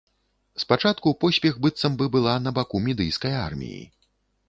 Спачатку поспех быццам бы была на баку мідыйскай арміі.